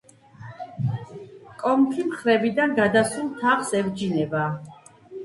კონქი მხრებიდან გადასულ თაღს ებჯინება.